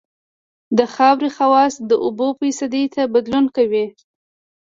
د خاورې خواص د اوبو فیصدي ته بدلون کوي